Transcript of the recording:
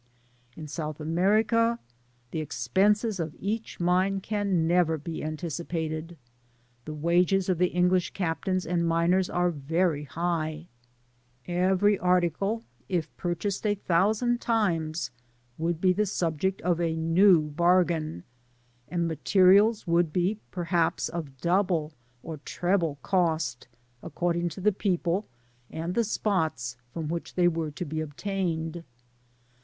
In South America the expenses of each mine can never be anticipated. The wages of the English captains and miners are very high ; every article, if pur chased a thousand times, would be the subject of a new bargain, and materials would be perhaps of double or treble cost, according to the people and the spots from which they were to be obtained.